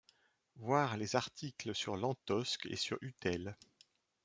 Voir les articles sur Lantosque et sur Utelle.